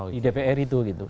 di dpr itu gitu